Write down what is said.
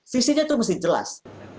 visinya itu mesti jelas